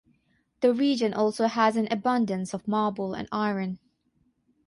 The region also has an abundance of marble and iron.